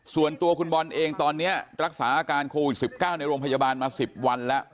ส่วนตัวคุณบอลเองตอนนี้รักษาอาการโควิด๑๙ในโรงพยาบาลมา๑๐วันแล้ว